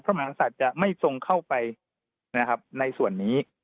มหากษัตริย์จะไม่ทรงเข้าไปนะครับในส่วนนี้